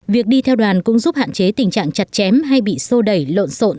việc đi theo đoàn cũng giúp hạn chế tình trạng chặt chém hay bị sô đẩy lộn xộn